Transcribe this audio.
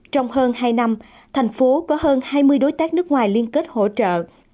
trong hơn hai năm thành phố có hơn hai mươi đối tác nước ngoài liên kết hỗ trợ